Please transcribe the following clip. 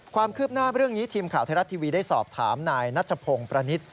ความคืบหน้าเรื่องนี้ทีมข่าวไทยรัฐทีวีได้สอบถามนายนัชพงศ์ประนิษฐ์